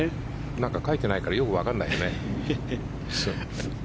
なんか書いてないからよくわからないよね。